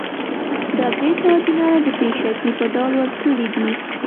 دا درې سوه دیناره د پېشکي په ډول ورکړي دي